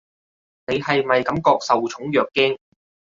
你係咪感覺受寵若驚？